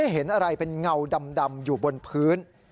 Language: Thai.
เห็นอะไรเป็นเงาดำอยู่บนพื้น